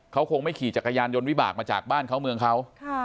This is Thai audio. เขาคงไม่ขี่จักรยานยนต์วิบากมาจากบ้านเขาเมืองเขา